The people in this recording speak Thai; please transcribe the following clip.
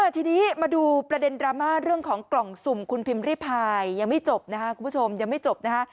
ทีนี้มาดูประเด็นดราม่าเรื่องของกล่องสุมคุณพิมริพายยังไม่จบนะครับคุณผู้ชม